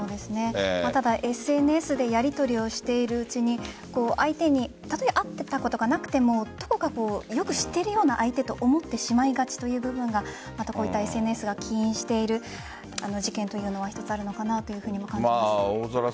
ただ、ＳＮＳでやりとりをしているうちに相手に会ったことがなくてもどこか、よく知っているような相手と思ってしまいがちという部分がこういったＳＮＳが起因している事件というのが一つあるのかなと感じます。